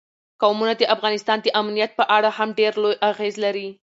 قومونه د افغانستان د امنیت په اړه هم ډېر لوی اغېز لري.